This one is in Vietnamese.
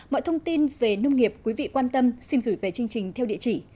mọi thông tin về nông nghiệp quý vị quan tâm xin gửi về chương trình theo địa chỉ